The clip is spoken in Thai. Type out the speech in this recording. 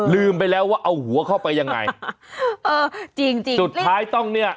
ลืมไปแล้วว่าเอาหัวเข้าไปยังไงเออจริงจริงสุดท้ายต้องเนี่ย